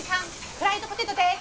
フライドポテトです。